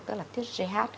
tức là tiết gh